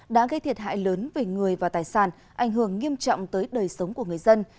đã gây thiệt hại lớn về người và tài sản ảnh hưởng nghiêm trọng tới đời sống của người dân